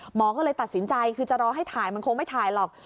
หมอก็เลยตัดสินใจคือจะรอให้ถ่ายมันคงไม่ถ่ายหรอก